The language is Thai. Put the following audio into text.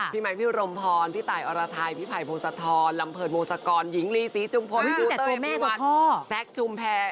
พี่มัยพี่รมพรพี่ตายอรทัยพี่ไผ่โมสทธรลำเผิดโมสกรหญิงลีสีจุ่มโพพี่พี่วัตเซกจุ่มแพร